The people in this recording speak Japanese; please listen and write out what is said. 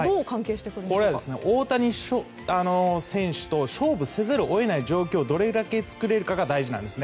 これは、大谷選手と勝負せざるを得ない状況をどれだけ作れるかが大事なんです。